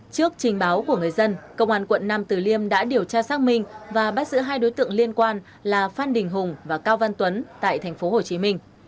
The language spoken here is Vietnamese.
trước trình báo của người dân công an quận năm từ liêm đã điều tra xác minh và bắt giữ hai đối tượng liên quan là phan đình hùng và cao văn tuấn tại thành phố hồ chí minh